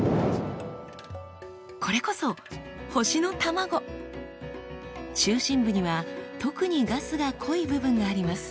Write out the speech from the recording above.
これこそ中心部には特にガスが濃い部分があります。